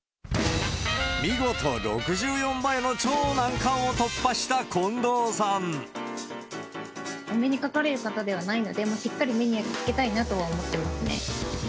見事、６４倍の超難関を突破した近藤さん。お目にかかれる方ではないので、しっかり目に焼き付けたいなとは思ってますね。